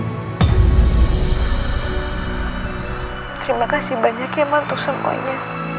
terima kasih banyak yang mantuk semuanya